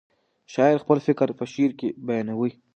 شاعر خپل فکر په شعر کې بیانوي.